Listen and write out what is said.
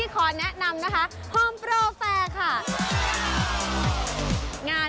ขอบคุณค่ะ